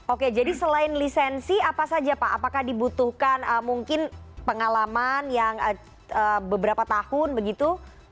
oke jadi selain lisensi apa saja pak apakah dibutuhkan mungkin pengalaman yang beberapa tahun begitu